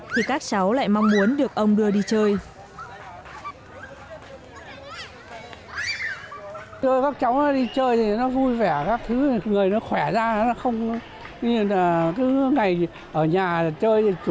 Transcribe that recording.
thì các cháu lại mong muốn được ông đưa đi chơi